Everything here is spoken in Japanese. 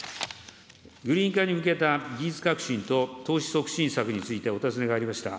グリーン化に向けた技術革新と投資促進策についてお尋ねがありました。